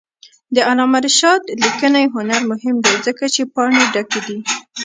د علامه رشاد لیکنی هنر مهم دی ځکه چې پاڼې ډکې دي.